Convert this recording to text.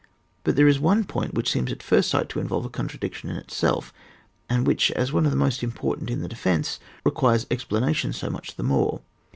But there is one point which seems at first sight to involve a contradiction in itself, and which, as one of the most important in the defence, requires explanation so much the more.